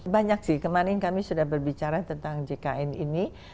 banyak sih kemarin kami sudah berbicara tentang jkn ini